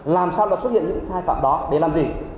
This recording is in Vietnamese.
làm sao xuất hiện những sai phạm đó để làm gì